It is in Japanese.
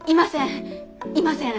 いません。